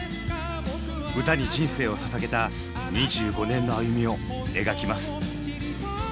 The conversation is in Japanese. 歌に人生をささげた２５年の歩みを描きます。